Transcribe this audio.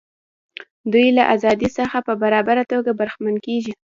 دوی له ازادیو څخه په برابره توګه برخمن کیږي.